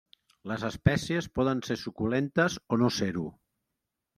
Les espècies poden ser suculentes o no ser-ho.